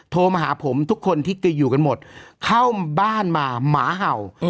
โทรมาหาผมทุกคนที่อยู่กันหมดเข้าบ้านมาหมาเห่า